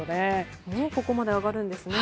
もうここまで上がるんですね。